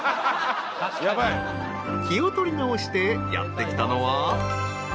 ［気を取り直してやって来たのは］